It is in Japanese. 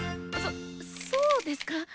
そそうですか？